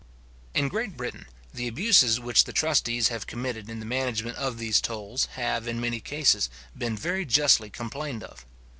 In Great Britain, the abuses which the trustees have committed in the management of those tolls, have, in many cases, been very justly complained of.